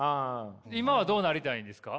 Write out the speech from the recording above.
今はどうなりたいんですか？